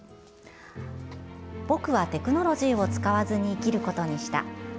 「ぼくはテクノロジーを使わずに生きることにした」